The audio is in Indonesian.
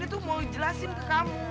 teriak ken teriak kalau kamu mau